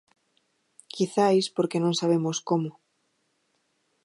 Quizais porque non sabemos como.